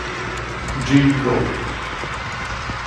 Jin Goo